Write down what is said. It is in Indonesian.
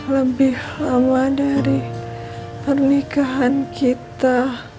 lebih lama dari pernikahan kita